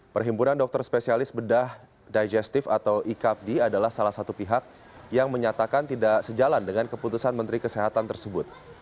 perhimpunan dokter spesialis bedah digestif atau icapdi adalah salah satu pihak yang menyatakan tidak sejalan dengan keputusan menteri kesehatan tersebut